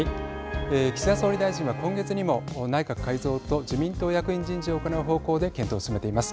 岸田総理大臣は今月にも内閣改造と自民党役員人事を行う方向で検討を進めています。